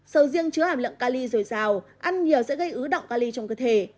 sầu riêng chứa hàm lượng cali dồi dào ăn nhiều sẽ gây ứ động cali trong cơ thể